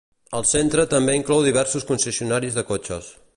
El centre també inclou diversos concessionaris de cotxes.